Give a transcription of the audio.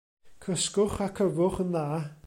Cysgwch ac yfwch yn dda.